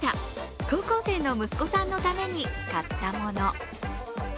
高校生の息子さんのために買ったもの。